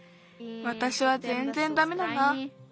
わたしはぜんぜんダメだな。